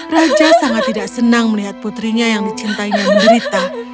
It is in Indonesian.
raja sangat tidak senang melihat putrinya yang dicintainya menderita